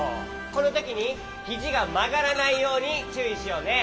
このときにひじがまがらないようにちゅういしようね。